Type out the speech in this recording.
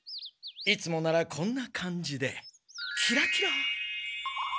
いつもならこんな感じでキラキラ。